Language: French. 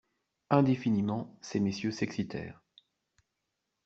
Indéfiniment, ces messieurs s'excitèrent.